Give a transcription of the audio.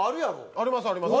ありますあります。